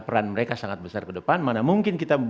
peran mereka sangat besar ke depan mana mungkin kita